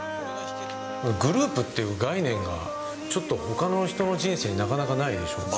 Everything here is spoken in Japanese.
グループっていう概念が、ちょっとほかの人の人生になかなかないでしょ。